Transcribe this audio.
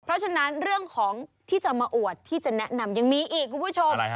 เพราะฉะนั้นเรื่องของที่จะมาอวดที่จะแนะนำยังมีอีกคุณผู้ชม